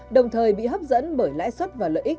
đồng thời bị hấp dẫn bởi lãi suất và lợi ích